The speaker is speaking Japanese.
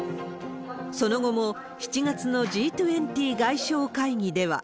その後も、７月のＧ２０外相会議では。